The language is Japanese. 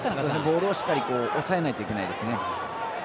ボールをしっかり押さえないといけないですね。